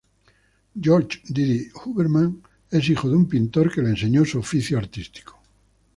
Georges Didi-Huberman es hijo de un pintor, que le enseñó su oficio artístico.